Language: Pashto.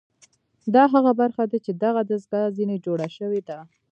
دا هغه برخه ده چې دغه دستګاه ځنې جوړه شوې ده